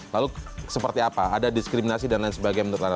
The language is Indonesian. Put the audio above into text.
lalu seperti apa ada diskriminasi dan lain sebagainya menurut anda